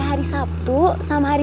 sekalipun itu hidup